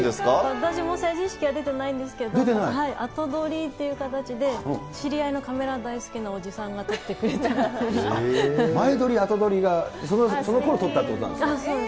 私も成人式は出てないんですけど、後撮りという形で、知り合いのカメラ大好きなおじさんが撮ってく前撮り、後撮りが、そのころそうです。